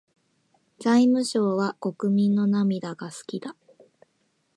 財務省は国民の涙が好きだ。